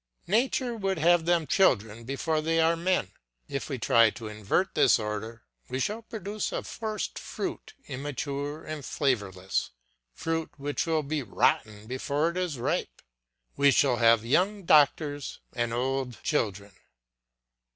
Nature would have them children before they are men. If we try to invert this order we shall produce a forced fruit immature and flavourless, fruit which will be rotten before it is ripe; we shall have young doctors and old children.